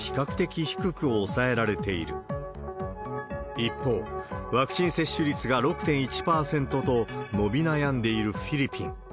一方、ワクチン接種率が６．１％と、伸び悩んでいるフィリピン。